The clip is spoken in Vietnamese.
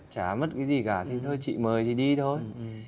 trả mất cái gì cả thì thôi chị mời chị đi thôi